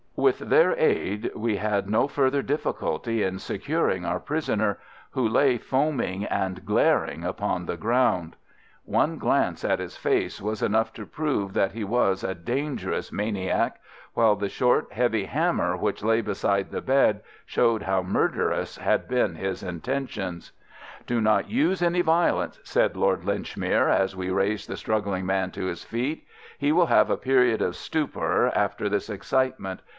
With their aid we had no further difficulty in securing our prisoner, who lay foaming and glaring upon the ground. One glance at his face was enough to prove that he was a dangerous maniac, while the short, heavy hammer which lay beside the bed showed how murderous had been his intentions. "Do not use any violence!" said Lord Linchmere, as we raised the struggling man to his feet. "He will have a period of stupor after this excitement.